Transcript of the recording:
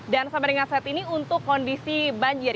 sampai dengan saat ini untuk kondisi banjir